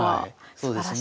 そうですね。